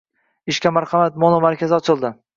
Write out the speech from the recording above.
“Ishga marhamat” monomarkazi ochildi